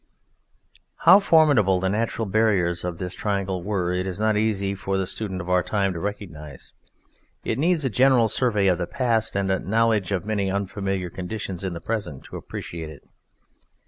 How formidable the natural barriers of this triangle were it is not easy for the student of our time to recognize. It needs a general survey of the past, and a knowledge of many unfamiliar conditions in the present, to appreciate it.